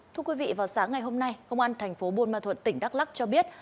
thưa quý vị vào sáng ngày hôm nay công an thành phố buôn ma thuận tỉnh đắk lắc cho biết